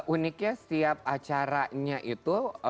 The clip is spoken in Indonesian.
uniknya setiap acaranya itu